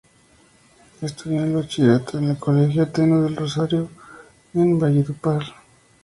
Estudió el bachillerato en el colegio Ateneo El Rosario en Valledupar.